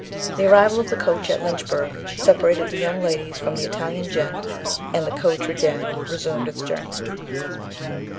The arrival of the coach at Lynchburgh separated the young ladies from the Italian gent, and the coach again resumed its journey.